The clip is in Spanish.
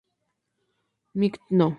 Mighty No.